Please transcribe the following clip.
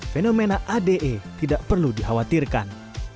fenomena ade tidak perlu dikhawatirkan